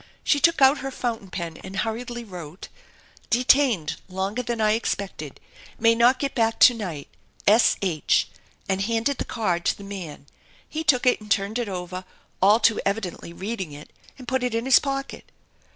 She took out her fountain pen and hurriedly wrote: "Detained longer than I expected. May not get back THE ENCHANTED BARN 253 S. H.," and handed the card to the man. He took it and turned it over, all too evidently reading it, and put it in his pocket.